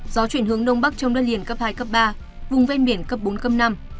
gió chuyển hướng đông bắc trong đất liền cấp hai cấp ba vùng ven biển cấp bốn cấp năm